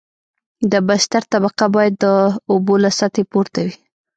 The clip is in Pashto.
د بستر طبقه باید د اوبو له سطحې پورته وي